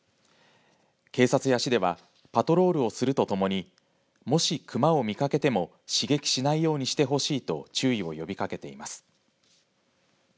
警察や市ではパトロールをするとともにもしクマを見かけても刺激しないようにしてほしいと注意を呼びかけています。